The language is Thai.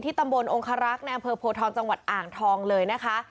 ตำบลองคารักษ์ในอำเภอโพทองจังหวัดอ่างทองเลยนะคะ